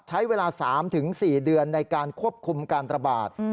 ใช้เวลา๓๔เดือนในการควบคุมการระบาด